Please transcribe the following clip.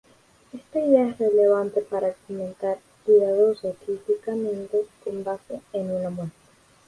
Esta idea es relevante para argumentar cuidadosa y críticamente con base en una muestra.